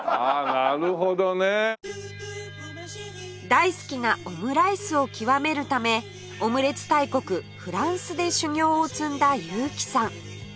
大好きなオムライスを極めるためオムレツ大国フランスで修業を積んだ結城さん